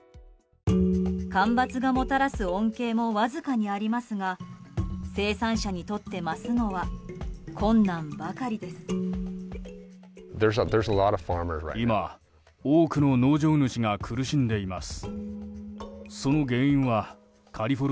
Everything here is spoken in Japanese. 干ばつがもたらす恩恵もわずかにありますが生産者とって増すのは困難ばかりです。